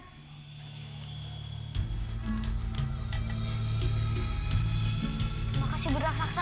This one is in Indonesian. terima kasih beraksaksa